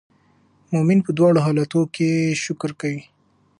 مؤمن په دواړو حالاتو کې شکر کوي.